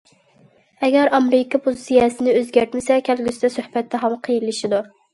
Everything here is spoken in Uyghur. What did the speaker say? ئەگەر ئامېرىكا پوزىتسىيەسىنى ئۆزگەرتمىسە، كەلگۈسىدە سۆھبەت تېخىمۇ قىيىنلىشىدۇ.